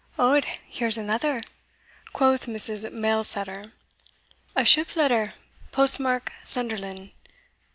"Od, here's another," quoth Mrs. Mailsetter. "A ship letter post mark, Sunderland."